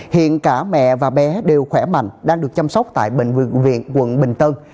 hiện cả mẹ và bé đều khỏe mạnh đang được chăm sóc tại bệnh viện viện quận bình tân